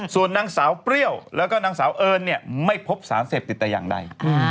ส่วนนางสาวเปรี้ยวแล้วก็นางสาวเอิญเนี่ยไม่พบสารเสพติดแต่อย่างใด